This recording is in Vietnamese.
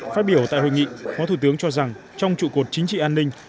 phát biểu tại hội nghị phó thủ tướng cho rằng trong trụ cột chính trị an ninh